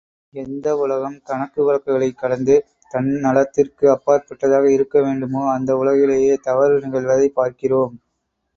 எந்த உலகம் கணக்கு வழக்குகளைக் கடந்து தன்னலத்திற்கு அப்பாற்பட்டதாக இருக்க வேண்டுமோ அந்த உலகிலேயே தவறு நிகழ்வதைப் பார்க்கிறோம்.